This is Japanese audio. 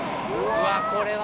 うわこれは。